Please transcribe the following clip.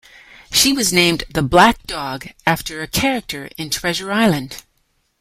She was named The Black Dog after a character in "Treasure Island".